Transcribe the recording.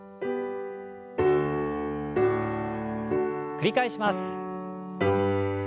繰り返します。